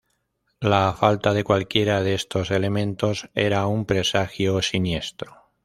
La falta de cualquiera de estos elementos era un presagio siniestro.